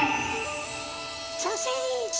ソーセージ！